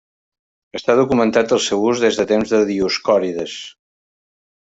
Està documentat el seu ús des de temps de Dioscòrides.